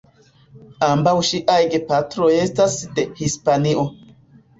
Ambaŭ ŝiaj gepatroj estas de Hispanio.